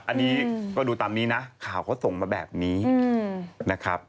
อันนี้ก็ดูตามนี้นะข่าวเขาส่งมาแบบนี้นะครับ